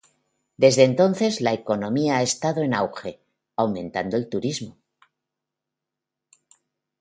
Desde entonces la economía ha estado en auge, aumentando el turismo.